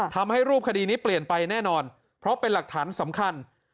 ทำให้รูปคดีนี้เปลี่ยนไปแน่นอนเพราะเป็นหลักฐานสำคัญ